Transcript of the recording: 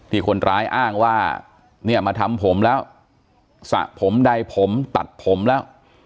คนร้ายอ้างว่าเนี่ยมาทำผมแล้วสระผมใดผมตัดผมแล้ว